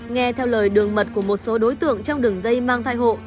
nghe theo lời đường mật của một số đối tượng trong đường dây mang thai hộ